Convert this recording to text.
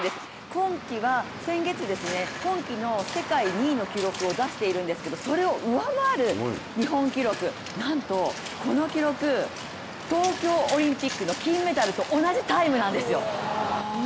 今季は先月、今季の世界２位の記録を出しているんですけれども、それを上回る日本記録、なんとこの記録東京オリンピックの金メダルと同じタイムなんですよ。